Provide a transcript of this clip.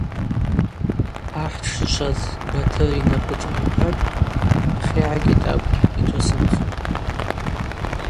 Ахӏ дшычваз Батыр йнапӏы шӏайхӏватӏ, ахьыгӏагьи тӏакӏв йтосынхатӏ.